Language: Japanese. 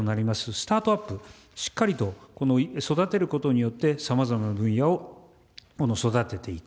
スタートアップ、しっかりと育てることによって、さまざまな分野を育てていく。